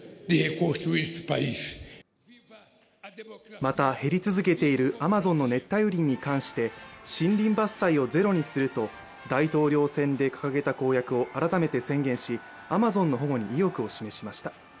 また、減り続けているアマゾンの熱帯雨林に関して、森林伐採をゼロにすると大統領選で掲げた公約を改めて宣言し、アマゾンの保護に意欲を示しました。